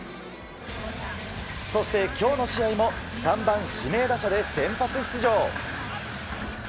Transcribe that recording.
そして、今日の試合も３番指名打者で先発出場。